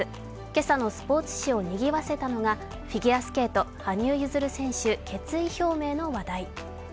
今朝のスポーツ紙をにぎわせたのがフィギュアスケート羽生結弦選手、決意表明の話題。